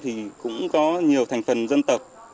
thì cũng có nhiều thành phần dân tộc